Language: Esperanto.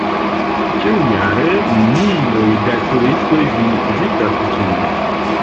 Ĉiujare miloj da turistoj vizitas ĝin.